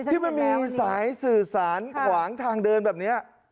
ที่มันมีสายสื่อสารขวางทางเดินแบบนี้